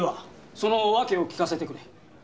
その訳を聞かせてくれ。